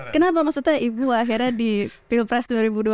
kenapa maksudnya ibu akhirnya di pilpres dua ribu dua puluh